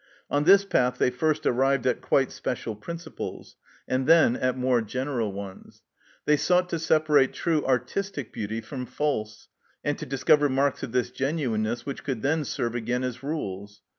On this path they first arrived at quite special principles, and then at more general ones. They sought to separate true artistic beauty from false, and to discover marks of this genuineness, which could then serve again as rules.